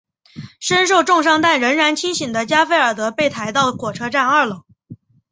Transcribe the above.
身受重伤但仍然清醒的加菲尔德被抬到火车站二楼。